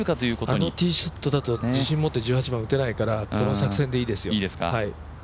あのティーショットだと自信持って１８番打てないからこの作戦でいいですよ。